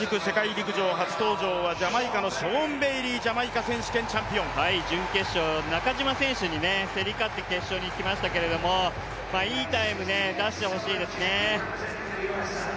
ジャマイカのショーン・ベイリー、ジャマイカ選手権チャンピオン、準決勝、中島選手に競り勝って決勝に来ましたけどもいいタイム出してほしいですね。